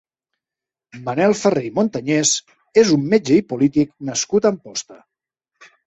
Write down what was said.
Manel Ferré i Montañés és un metge i polític nascut a Amposta.